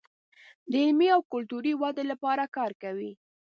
د علمي او کلتوري ودې لپاره کار کوي.